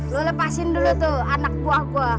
lo lepasin dulu tuh anak buah gue